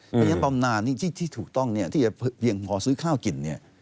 เพราะฉะนั้นบำนานที่ถูกต้องที่จะเพียงพอซื้อข้าวกิน